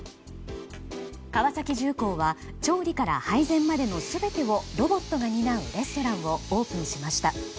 川崎重工は調理から配膳までの全てをロボットが担うレストランをオープンしました。